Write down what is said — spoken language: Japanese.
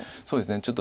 そうですね